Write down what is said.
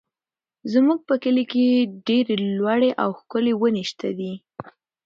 زموږ په کلي کې ډېرې لوړې او ښکلې ونې شته دي.